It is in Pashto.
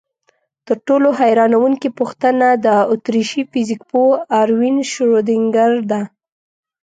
تر ټولو حیرانوونکې پوښتنه د اتریشي فزیکپوه اروین شرودینګر ده.